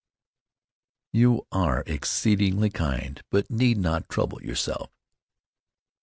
"You are exceedingly kind; but need not trouble yourself."